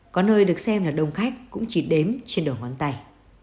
có nơi được xem là đông khách cũng chỉ đếm trên đầu ngón tay